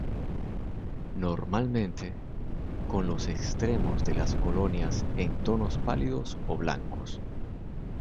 Normalmente con los extremos de las colonias en tonos pálidos o blancos.